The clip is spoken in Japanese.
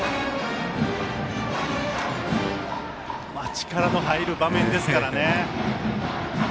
力の入る場面ですからね。